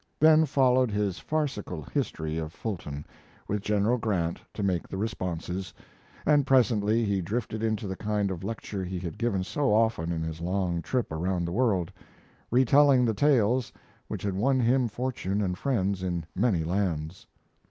Then followed his farcical history of Fulton, with General Grant to make the responses, and presently he drifted into the kind of lecture he had given so often in his long trip around the world retelling the tales which had won him fortune and friends in many lands.